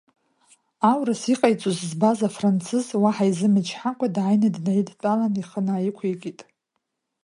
Аурыс иҟаиҵоз збаз афранцыз, уаҳа изымчҳакәа дааины днаидтәалан, ихы наиқәикит…